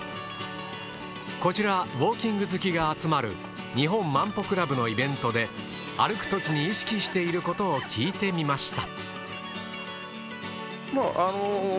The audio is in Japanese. こちらウオーキング好きが集まる日本万歩クラブのイベントで歩くときに意識していることを聞いてみました。